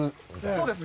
そうです。